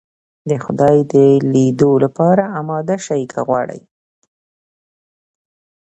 د خدای د ليدلو لپاره اماده سئ که غواړئ.